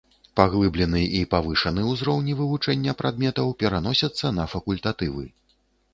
Паглыблены і павышаны ўзроўні вывучэння прадметаў пераносяцца на факультатывы.